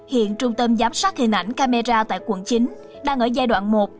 hiện trung tâm giám sát hình ảnh camera tại quận chín đang ở giai đoạn một